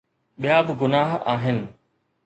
ٻيا به گناهه آهن.